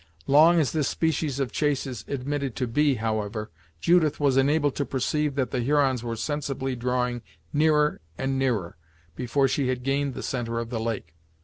"Long" as this species of chase is admitted to be, however, Judith was enabled to perceive that the Hurons were sensibly drawing nearer and nearer, before she had gained the centre of the lake.